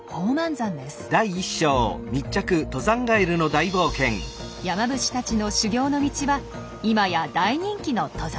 山伏たちの修行の道は今や大人気の登山スポット。